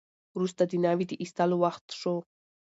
وروسته د ناوې د ایستلو وخت شو.